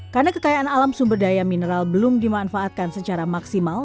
karena kekayaan alam sumber daya mineral belum dimanfaatkan secara maksimal